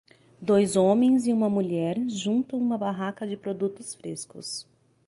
Dois homens e uma mulher juntam uma barraca de produtos frescos.